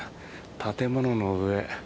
建物の上。